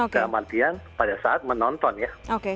dan maknanya pada saat menonton ya